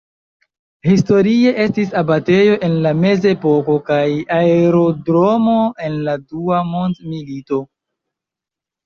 Historie estis abatejo en la Mezepoko kaj aerodromo en la Dua mondmilito.